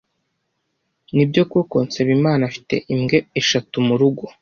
Nibyo koko Nsabimana afite imbwa eshatu murugo?